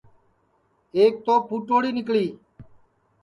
ایک تو پُھٹوڑی نکݪی